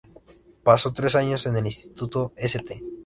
Pasó tres años en el Instituto St.